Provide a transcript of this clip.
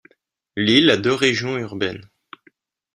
L'île a deux régions urbaines.